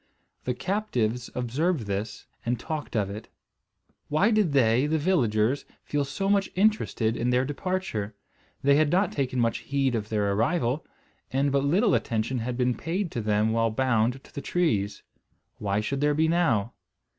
The captives observed this, and talked of it. Why did they, the villagers, feel so much interested in their departure? They had not taken much heed of their arrival; and but little attention had been paid to them while bound to the trees. Why should there be now?